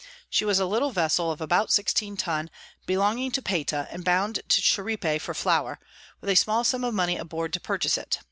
She was a little Vessel of about 16 Tun belonging to Payta, and bound to Cheripe for Flower, with a small Sum of Money aboard to purchase it.